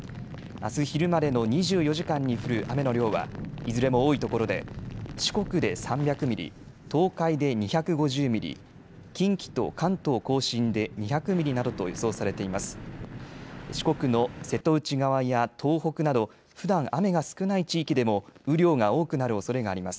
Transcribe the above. あす昼までの２４時間に降る雨の量はいずれも多いところで四国で３００ミリ、東海で２５０ミリ、近畿と関東甲信で２００ミリなどと予想されています。